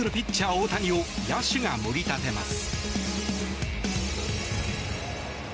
大谷を野手が盛り立てます。